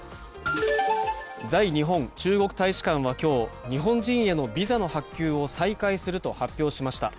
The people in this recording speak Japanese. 在日本中国大使館は今日、日本人へのビザの発給を再開すると発表しました。